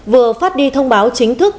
vừa phát đi thông báo chính thức